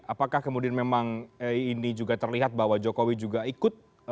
apakah kemudian memang ini juga terlihat bahwa jokowi juga ikut